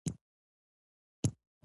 هر لیکل شوی فکر د یو ذهن استازیتوب کوي.